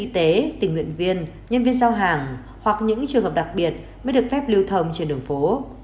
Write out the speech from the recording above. y tế tình nguyện viên nhân viên giao hàng hoặc những trường hợp đặc biệt mới được phép lưu thông trên đường phố